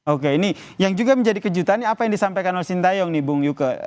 oke ini yang juga menjadi kejutannya apa yang disampaikan oleh sintayong nih bung yuke